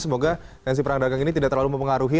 semoga tensi perang dagang ini tidak terlalu mempengaruhi